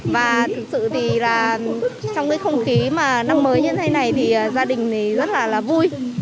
và thực sự thì là trong cái không khí mà năm mới như thế này thì gia đình rất là vui